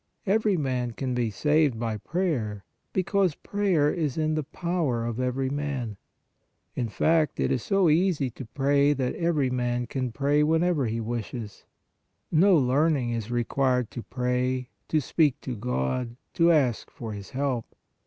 Every man can be saved by prayer, because PRAYER IS IN THE POWER OF EVERY MAN. In fact, it is so easy to pray, that every man can pray when ever he wishes. No learning is required to pray, to speak to God, to ask for His help.